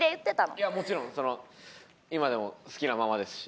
いやもちろんその今でも好きなままですし。